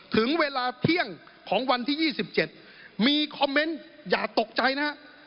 ถึงเวลาเที่ยงของวันที่ยี่สิบเจ็ดมีคอมเมนต์อย่าตกใจนะครับ